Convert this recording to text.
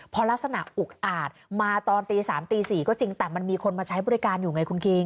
พอลักษณะอุกอาจมาตอนตี๓ตี๔ก็จริงแต่มันมีคนมาใช้บริการอยู่ไงคุณคิง